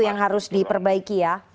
yang harus diperbaiki ya